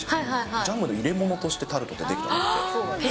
ジャムの入れ物としてタルトって出来たの。